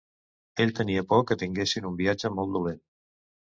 Ell tenia por que tinguessin un viatge molt dolent.